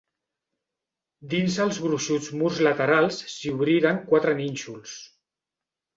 Dins els gruixuts murs laterals s'hi obriren quatre nínxols.